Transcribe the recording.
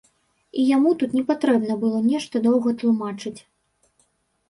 І яму тут не патрэбна было нешта доўга тлумачыць.